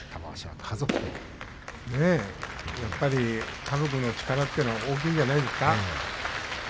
家族の力というのは大きいんじゃないですか。